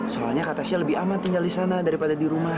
soalnya kakasya lebih aman tinggal di sana daripada di rumah